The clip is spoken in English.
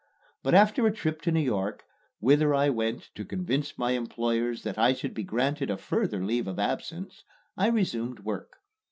But after a trip to New York, whither I went to convince my employers that I should be granted a further leave of absence, I resumed work.